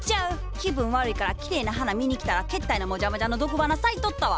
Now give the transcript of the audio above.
気分悪いからきれいな花見にきたらけったいなもじゃもじゃの毒花咲いとったわ。